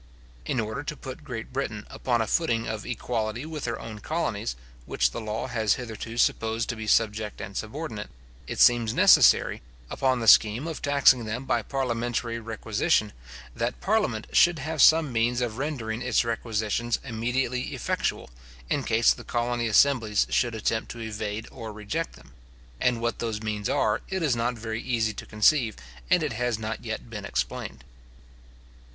In order to put Great Britain upon a footing of equality with her own colonies, which the law has hitherto supposed to be subject and subordinate, it seems necessary, upon the scheme of taxing them by parliamentary requisition, that parliament should have some means of rendering its requisitions immediately effectual, in case the colony assemblies should attempt to evade or reject them; and what those means are, it is not very easy to conceive, and it has not yet been explained.